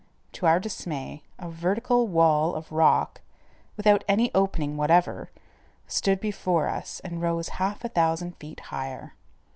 To our dismay, a vertical wall of rock, without any opening whatever, stood before us and rose a half thousand feet higher.